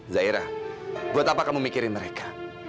zaira buat apa kamu mikirin mereka